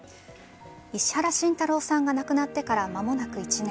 石原慎太郎さんが亡くなってから間もなく１年。